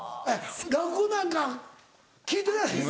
落語なんか聞いてられへん？